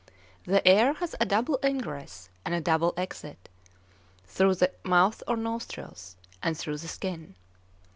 The air has a double ingress and a double exit, through the mouth or nostrils, and through the skin.